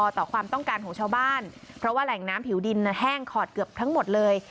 ต่อความต้องการของชาวบ้านเพราะว่าแหล่งน้ำผิวดินแห้งขอดเกือบทั้งหมดเลย